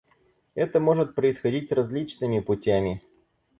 Это может происходить различными путями.